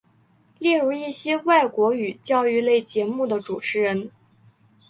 例如一些外国语教育类节目的主持人。